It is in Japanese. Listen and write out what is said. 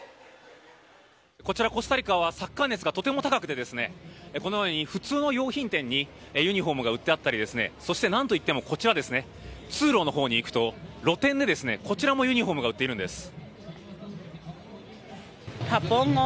こちら、コスタリカはサッカー熱がとても高くてこのように普通の洋品店にユニホームが売ってあったり何といってもこちらは通路の方に行くと露店でこちらもユニホームが売っているんです。